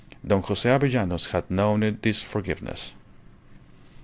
Don Jose Avellanos had known this forgiveness.